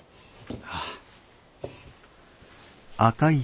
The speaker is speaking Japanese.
ああ。